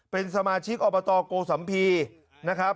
เป็นสมาชิกอบตโกสัมภีร์นะครับ